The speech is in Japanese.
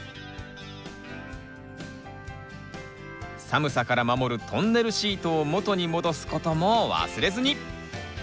寒さから守るトンネルシートを元に戻す事も忘れずに！